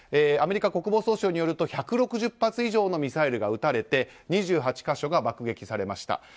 アメリカ国防総省によると１６０発以上のミサイルが撃たれて２８か所が爆撃されました。